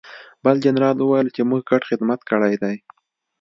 بل جنرال وویل چې موږ ګډ خدمت کړی دی